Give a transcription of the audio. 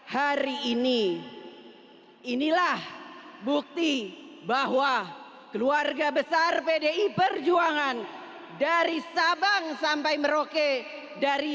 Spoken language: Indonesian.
hari ini inilah bukti bahwa keluarga besar pdi perjuangan dari sabang sampai merauke dari